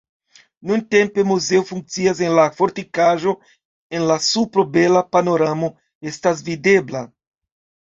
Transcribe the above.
Nuntempe muzeo funkcias en la fortikaĵo, en la supro bela panoramo estas videbla.